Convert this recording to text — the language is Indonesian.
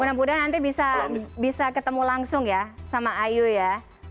mudah mudahan nanti bisa ketemu langsung ya sama ayu ya